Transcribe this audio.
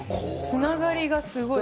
つながりがすごい。